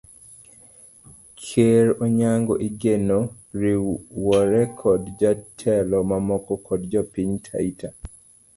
Ker Onyango igeno riwore kod jotelo mamoko kod jopiny taita